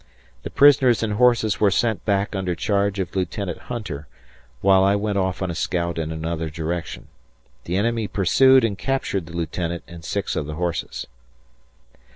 The prisoners and horses were sent back under charge of Lieutenant Hunter, while I went off on a scout in another direction. The enemy pursued and captured the lieutenant and 6 of the horses.